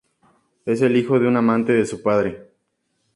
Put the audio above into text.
Es el hijo de una amante de su padre.